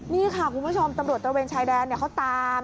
นี่ค่ะคุณผู้ชมตำรวจตระเวนชายแดนเขาตาม